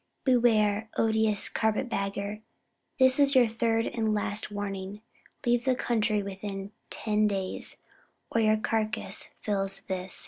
"Beware, odious carpet bagger! this is your third and last warning. Leave the country within ten days, or your carcass fills this."